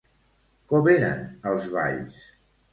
Com eren els balls?